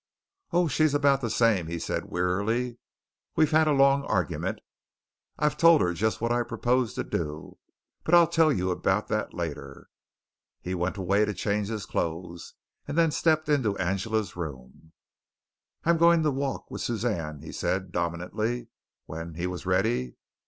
"Oh, she's about the same!" he said wearily. "We've had a long argument. I've told her just what I propose to do, but I'll tell you about that later." He went away to change his clothes, and then stepped into Angela's room. "I'm going to walk with Suzanne," he said dominantly, when he was ready.